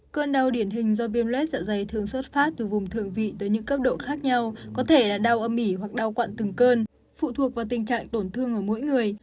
cơn đau điển hình do viêm luet dạ dày thường xuất phát từ vùng thường vị tới những cấp độ khác nhau có thể là đau âm ỉ hoặc đau quặn từng cơn phụ thuộc vào tình trạng tổn thương ở mỗi người